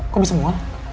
kok bisa mual